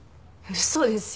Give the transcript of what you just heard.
嘘ですよ。